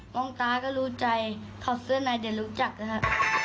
องตาก็รู้ใจถอดเสื้อในเดี๋ยวรู้จักนะครับ